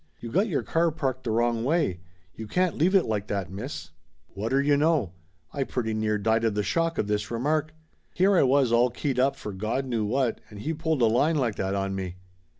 "You got your car parked the wrong way. You can't leave it like that, miss!" Whatter you know ! I pretty near died of the shock of this remark. Here I was all keyed up for Gawd knew what, and he pulled a line like that on me.